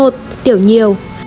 một tiểu nhiều